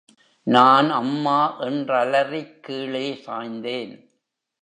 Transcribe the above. நான் அம்மா என்றலறிக் கீழேசாய்ந்தேன்.